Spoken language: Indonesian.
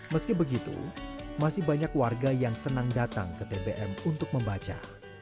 meski begitu masih banyak warga yang senang datang ke tbm untuk membaca